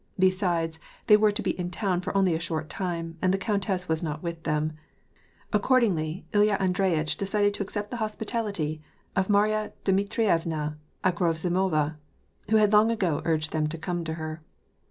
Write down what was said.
Besides, they were to be in town for only a short time, and the coun tess was not with them ; accordingly, Ilya Andreyitch decided to accept the hospitality of Marya Dmitrievna Akhrosimova, who had long ago urged them to come to her.